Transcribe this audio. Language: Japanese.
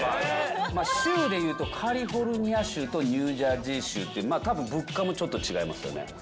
州でいうとカリフォルニア州とニュージャージー州ってたぶん物価もちょっと違いますよね。